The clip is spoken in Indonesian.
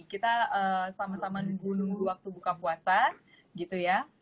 kita sama sama nunggu waktu buka puasa gitu ya